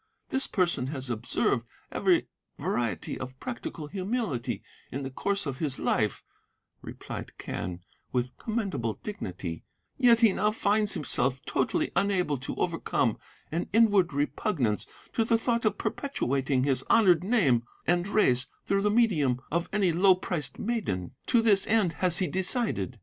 "'This person has observed every variety of practical humility in the course of his life,' replied Quen with commendable dignity, 'yet he now finds himself totally unable to overcome an inward repugnance to the thought of perpetuating his honoured name and race through the medium of any low priced maiden. To this end has he decided.